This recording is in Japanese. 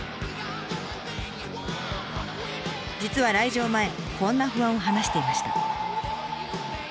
実は来場前こんな不安を話していました。